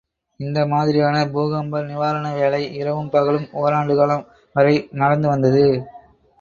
இந்த மாதிரியான பூகம்ப நிவாரண வேலை இரவும் பகலுமாக ஓராண்டு காலம் வரை நடந்து வந்தது.